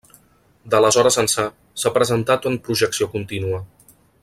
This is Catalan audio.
D'aleshores ençà, s'ha presentat en projecció contínua.